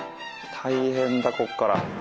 大変だこっから。